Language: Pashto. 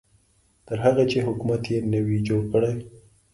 تر هغې چې حکومت یې نه وي جوړ کړی.